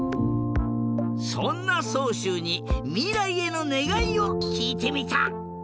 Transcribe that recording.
そんなそうしゅうにみらいへのねがいをきいてみた。